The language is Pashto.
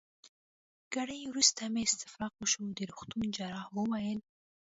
ګړی وروسته مې استفراق وشو، د روغتون جراح وویل.